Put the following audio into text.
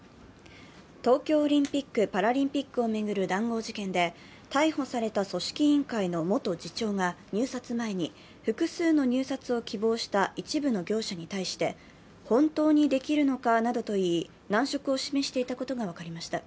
東京オリンピック・パラリンピックを巡る談合事件で逮捕された組織委員会の元次長が入札前に複数の入札を希望した一部の業者に対して本当にできるのかなどと言い難色を示していたことが分かりました。